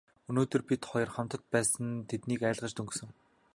Өнөөдөр бид хоёр хамт байсандаа тэднийг айлгаж дөнгөсөн.